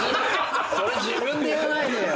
それ自分で言わないでよ。